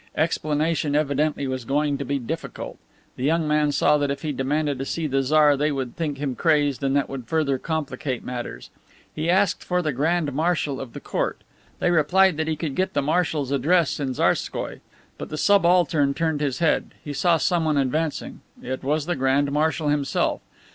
Explanation evidently was going to be difficult. The young man saw that if he demanded to see the Tsar, they would think him crazed and that would further complicate matters. He asked for the Grand Marshal of the Court. They replied that he could get the Marshal's address in Tsarskoie. But the subaltern turned his head. He saw someone advancing. It was the Grand Marshal himself.